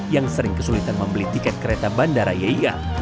yang sering kesulitan membeli tiket kereta bandara yia